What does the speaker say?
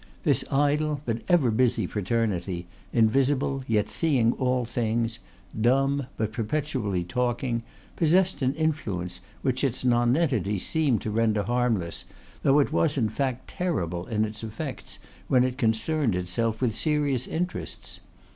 This idle but ever busy fraternity, invisible, yet seeing all things, dumb, but perpetually talking, possessed an influence which its nonentity seemed to render harmless, though it was in fact terrible in its effects when it concerned itself with serious interests.